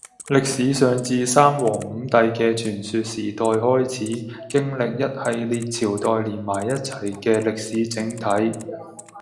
歷史上，自三皇五帝嘅傳說時代開始，經歷一系列朝代連埋一齊嘅「歷史整體」。